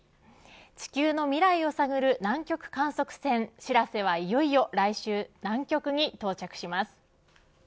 地球のミライを探る南極観測船しらせは、いよいよ来週、南極に到着します。